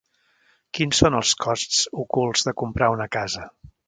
Quin són els costs ocults de comprar una casa?